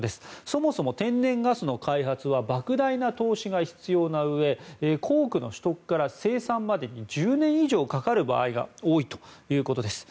そもそも天然ガスの開発はばく大な投資が必要なうえ鉱区の取得から生産までに１０年以上かかる場合が多いということです。